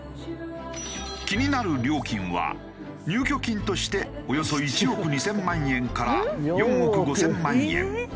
気になる料金は入居金としておよそ１億２０００万円から４億５０００万円。